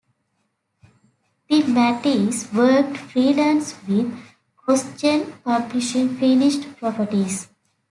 DeMatteis worked freelance, with CrossGen publishing finished properties.